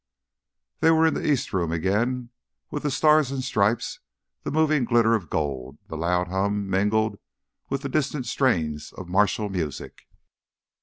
They were in the East Room again, with the stars and stripes, the moving glitter of gold, the loud hum mingled with the distant strains of martial music.